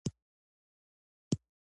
د سولې سپین وزرونه به پر افغان وطن خپاره شي.